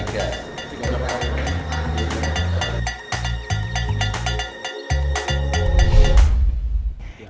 jadi kita harus berhati hati